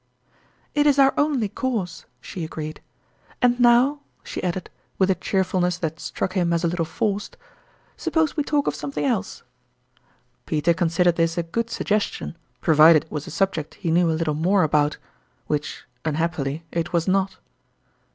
" It is our only course," she agreed. " And now," she added, with a cheerfulness that struck him as a little forced, " suppose we talk of something else." Peter considered this a good suggestion, pro vided it was a subject he knew a little more about ; which, unhappily, it w^as not.